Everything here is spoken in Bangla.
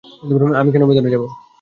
আমি কেন ভেতরে যাবো?